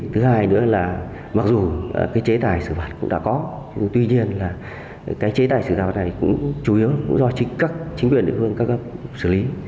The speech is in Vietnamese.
thứ hai nữa là mặc dù chế tài xử phạt cũng đã có tuy nhiên chế tài xử phạt này cũng chủ yếu do chính quyền địa phương cấp xử lý